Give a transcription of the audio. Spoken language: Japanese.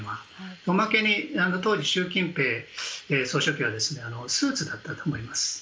おまけに当時、習近平総書記はスーツだったと思います。